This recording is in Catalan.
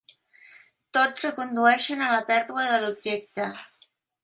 Tots recondueixen a la pèrdua de l'objecte.